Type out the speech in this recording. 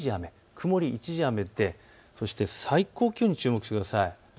曇り一時雨で、そして最高気温に注目してください。